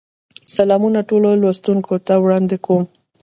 سلامونه ټولو لوستونکو ته وړاندې کوم.